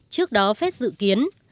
trước đó fed dự kiến